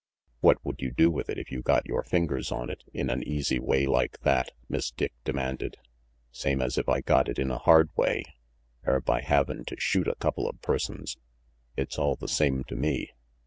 "What would you do with it, if you got your fingers on it in an easy way like that?" Miss Dick demanded. "Same as if I got it in a hard way, er by havin' to shoot a couple of persons. It's all the same to me.